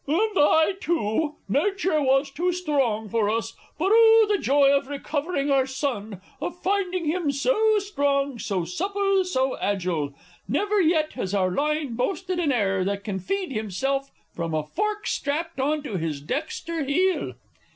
_ And I too! Nature was too strong for us. But, oh, the joy of recovering our son of finding him so strong, so supple, so agile. Never yet has our line boasted an heir who can feed himself from a fork strapped on to his dexter heel!